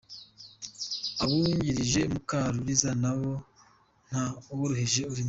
Abungirije Mukaruliza nabo nta woroheje urimo.